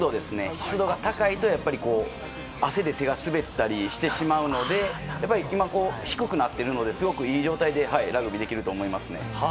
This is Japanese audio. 湿度が高いと汗で手が滑ったりしてしまうので今、低くなってるのですごくいい状態でラグビーができると思いますね。